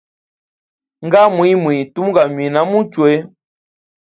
Nga mwiimwii, tumu ganywina a muchwe.